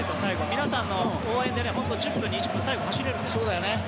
皆さんの応援で１０分、２０分最後、走れるんです。